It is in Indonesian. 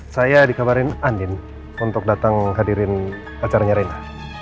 saya dikabarin andin untuk datang hadirin pacarnya rena